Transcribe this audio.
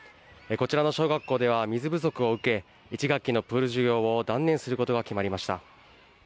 こちらの小学校では水不足を受け１学期のプール授業を断念することが決まりました。